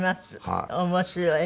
面白い。